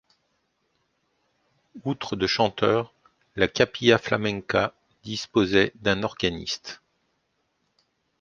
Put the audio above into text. Outre de chanteurs, la Capilla Flamenca disposait d’un organiste.